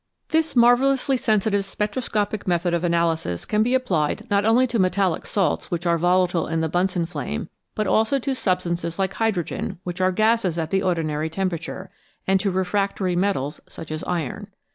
This marvellously sensitive spectroscopic method of analysis can be applied not only to metallic salts which are volatile in the Bunsen flame, but also to substances like hydrogen, which are gases at the ordinary tempera ture, and to refractory metals such as iron.